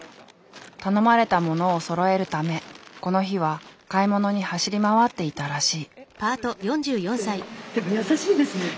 頼まれたものをそろえるためこの日は買い物に走り回っていたらしい。